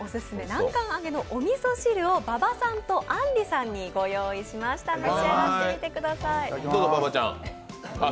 南関あげのおみそ汁を馬場さんとあんりさんにご用意したので召し上がってください。